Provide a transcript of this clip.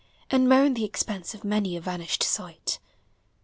And moan the expense of many a vanished sight.